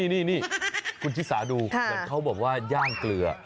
นี่คุณชิซาดูเขาบอกว่าย่างเกลือ